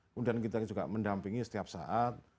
kemudian kita juga mendampingi setiap saat